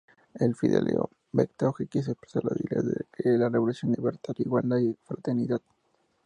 En "Fidelio", Beethoven quiso expresar los ideales de esa revolución: libertad, igualdad y fraternidad.